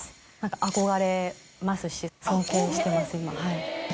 憧れますし尊敬してます今。